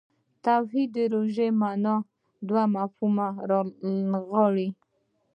توحید ژوره معنا دوه مفهومونه رانغاړي.